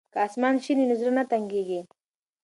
که اسمان شین وي نو زړه نه تنګیږي.